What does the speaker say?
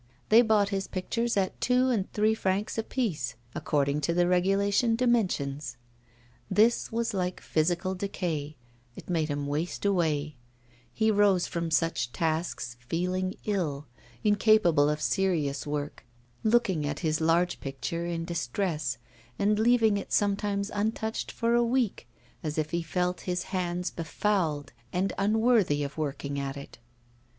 They bought his pictures at two and three francs a piece, according to the regulation dimensions. This was like physical decay, it made him waste away; he rose from such tasks feeling ill, incapable of serious work, looking at his large picture in distress, and leaving it sometimes untouched for a week, as if he had felt his hands befouled and unworthy of working at it.